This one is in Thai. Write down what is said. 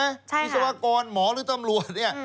วิศวกรหมอหรือตำรวจเนี่ย